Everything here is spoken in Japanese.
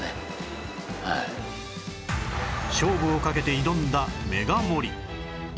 勝負をかけて挑んだメガ盛り